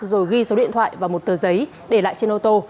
rồi ghi số điện thoại và một tờ giấy để lại trên ô tô